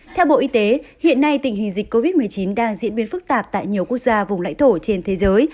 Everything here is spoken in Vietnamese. theo bộ y tế hiện nay tình hình dịch covid một mươi chín đang diễn biến phức tạp tại nhiều quốc gia vùng lãnh thổ trên thế giới